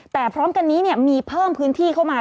แต่พร้อมกันนี้มีเพิ่มพื้นที่เข้ามา